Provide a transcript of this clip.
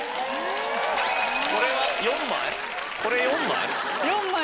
これは４枚？